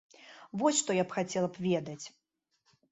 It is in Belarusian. Вось што я хацела б ведаць.